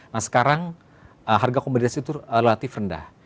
nah sekarang harga komoditas itu relatif rendah